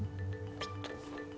ピッと。